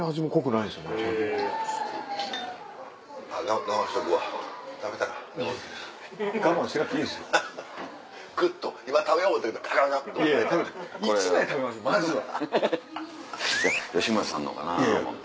いや吉村さんのかなと思って。